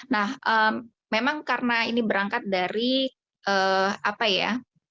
nah memang karena ini berangkat dari apa ya